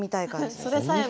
それさえも。